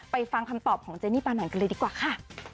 ฟังคำตอบของเจนี่ปาหน่อยกันเลยดีกว่าค่ะ